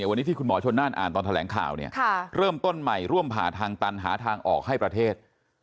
วันนี้ที่คุณหมอชนน่านอ่านตอนแถลงข่าวเนี่ยเริ่มต้นใหม่ร่วมผ่าทางตันหาทางออกให้ประเทศ